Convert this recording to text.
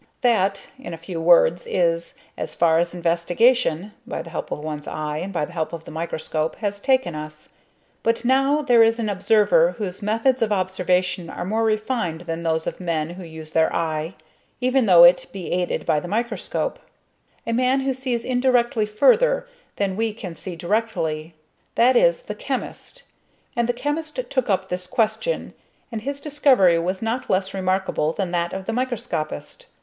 That, in a few words, is, as far as investigation by the help of one's eye and by the help of the microscope has taken us. But now there is an observer whose methods of observation are more refined than those of men who use their eye, even though it be aided by the microscope; a man who sees indirectly further than we can see directly that is, the chemist; and the chemist took up this question, and his discovery was not less remarkable than that of the microscopist.